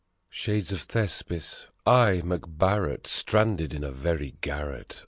Shades of Thespis! I, MacBarret, stranded in a very garret !